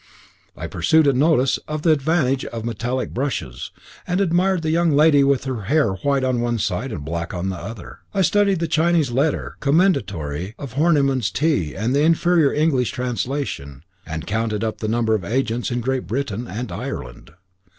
I perused a notice of the advantage of metallic brushes, and admired the young lady with her hair white on one side and black on the other; I studied the Chinese letter commendatory of Horniman's tea and the inferior English translation, and counted up the number of agents in Great Britain and Ireland.